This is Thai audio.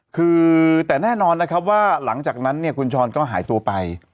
คือแต่แน่นอนนะครับว่าหลังจากนั้นเนี่ยคุณช้อนก็หายตัวไป